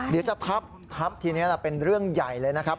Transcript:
เดี๋ยวจะทับทับทีนี้เป็นเรื่องใหญ่เลยนะครับ